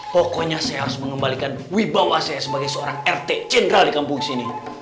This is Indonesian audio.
pokoknya saya harus mengembalikan wibawa saya sebagai seorang rt jenderal di kampung sini